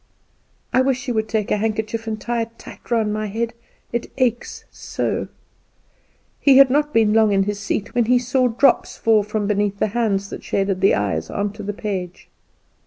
"I wish you would take a handkerchief and tie it tight round my head, it aches so." He had not been long in his seat when he saw drops fall from beneath the hands that shaded the eyes, on to the page.